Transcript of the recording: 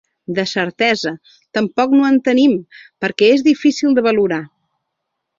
De certesa, tampoc no en tenim perquè és difícil de valorar.